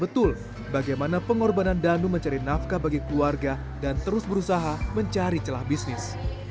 betul bagaimana pengorbanan danu mencari nafkah bagi keluarga dan terus berusaha mencari celah bisnis